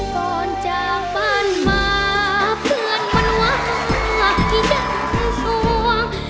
ก่อนจากบ้านมาเพื่อนมันว่ากินสวง